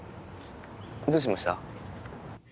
どうしました？